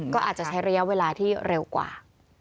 ก็อาจจะใช้ระยะเวลาที่เร็วกว่า